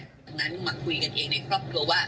ดังนั้นมาคุยกันเองในครอบครัวว่า